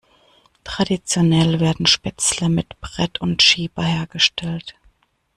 Traditionell werden Spätzle mit Brett und Schieber hergestellt.